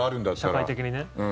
社会的にね。